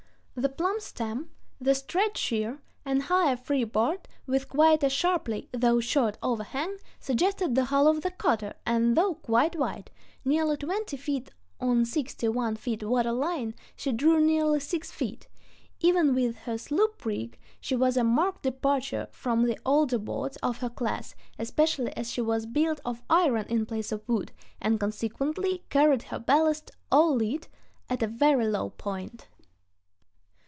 The plumb stem, the straight sheer, and higher free board, with quite a shapely though short overhang, suggested the hull of the cutter, and though quite wide—nearly twenty feet on sixty one feet water line—she drew nearly six feet. Even with her sloop rig she was a marked departure from the older boats of her class, especially as she was built of iron in place of wood, and consequently carried her ballast, all lead, at a very low point.